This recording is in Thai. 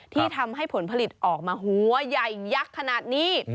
ที่ทำให้ผลผลิตออกมาหัวใหญ่ยักษ์ขนาดนี้